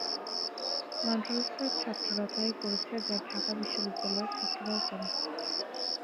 মাদ্রাসার ছাত্ররা তা ই করেছে, যা ঢাকা বিশ্ববিদ্যালয়ের ছাত্ররাও করে।